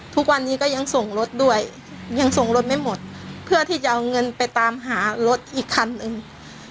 ทุกวันนี้ก็ยังส่งรถด้วยยังส่งรถไม่หมดเพื่อที่จะเอาเงินไปตามหารถอีกคันหนึ่ง